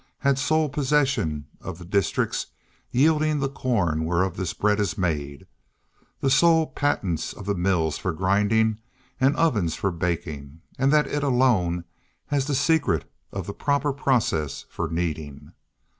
has sole possession of the districts yielding the corn whereof this bread is made, the sole patents of the mills for grinding and ovens for baking, and that it alone has the secret of the proper process for kneading.